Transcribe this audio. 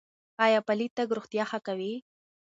ایا پلی تګ روغتیا ښه کوي؟